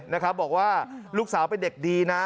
นะครับบอกว่าลูกสาวเป็นเด็กดีนะ